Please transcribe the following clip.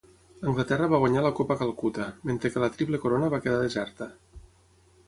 Anglaterra va guanyar la Copa Calcuta, mentre que la Triple Corona va quedar deserta.